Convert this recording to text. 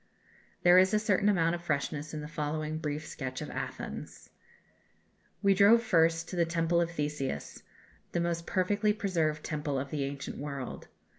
There is a certain amount of freshness in the following brief sketch of Athens: "We drove first to the Temple of Theseus, the most perfectly preserved temple of the ancient world.